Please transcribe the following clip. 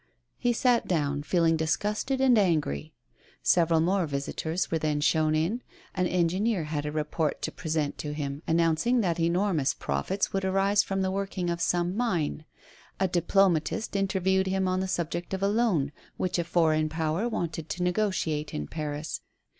> He sat down, feeling disgusted and angry. Several more visitors were then shown in. An engineer had a report to present to him, announcing that enormous profits would arise from the working of some mine. A diplomatist interviewed him on the subject of a loan which a foreign power wanted to negotiate in Paris.